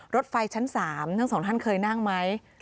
รถไฟชั้น๓ทั้งสองท่านเคยนั่งไหม